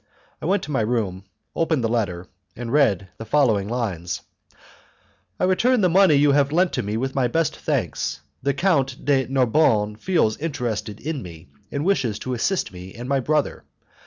I went to my room, opened the letter, and read the following lines: "I return the money you have lent me with my best thanks. The Count de Narbonne feels interested in me, and wishes to assist me and my brother.